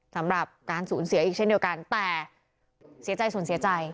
สำหรับการสูญเสียอีกเช่นเดียวกันแต่เสียใจสูญเสียใจ